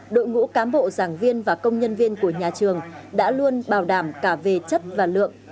đội ngũ cán bộ giảng viên và công nhân viên của nhà trường đã luôn bảo đảm cả về chất và lượng